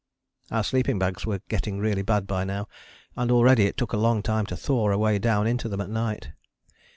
Our sleeping bags were getting really bad by now, and already it took a long time to thaw a way down into them at night.